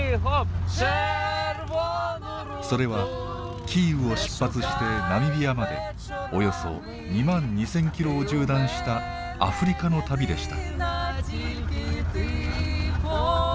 それはキーウを出発してナミビアまでおよそ２万２，０００キロを縦断したアフリカの旅でした。